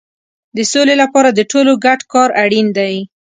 د سولې لپاره د ټولو ګډ کار اړین دی.